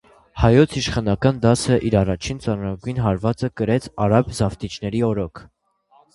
Հայոց իշխանական դասը իր առաջին ծանրագույն հարվածը կրեց արաբ զավթիչների օրոք։